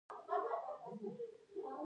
چین د نړۍ فابریکه شوه.